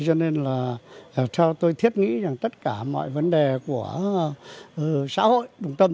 cho nên là theo tôi thiết nghĩ rằng tất cả mọi vấn đề của xã hội đồng tâm